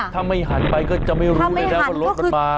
ถ้าไม่หันไปก็จะไม่รู้ได้แล้วว่ารถบรรทุกมา